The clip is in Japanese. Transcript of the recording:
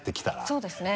そうですね。